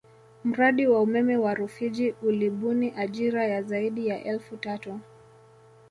Mradi wa umeme wa Rufiji ulibuni ajira ya zaidi ya elfu tatu